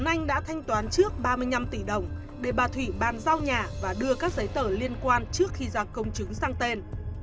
anh đã thanh toán trước ba mươi năm tỷ đồng để bà thủy bàn giao nhà và đưa các giấy tờ liên quan trước khi ra công chứng sang tên